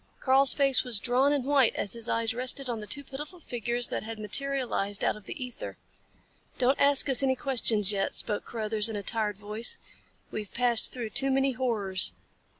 Karl's face was drawn and white as his eyes rested on the two pitiful figures that had materialized out of the ether. "Don't ask us any questions yet," spoke Carruthers in a tired voice. "We've passed through too many horrors.